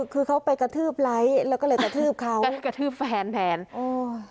คือเขาไปกระทืบไลค์แล้วก็เลยกระทืบเขากระทืบแฟนแทนโอ้ย